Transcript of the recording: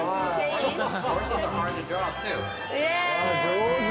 上手。